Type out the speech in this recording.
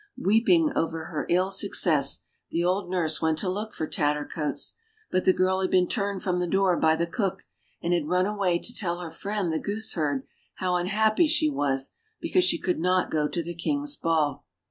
Weeping over her ill success, the old nurse went to look for Tattercoats ; but the girl had been turned from the door by the cook, and had run away to tell her friend the goose herd how unhappy she was because she could not go to the King's ball.